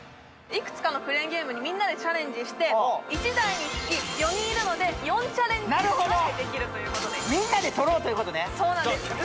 いくつかのクレーンゲームにみんなでチャレンジして１台につき４人いるので４チャレンジまでできるということでみんなでとろうということねそうなんです